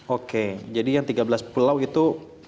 oke jadi yang tiga belas pulau itu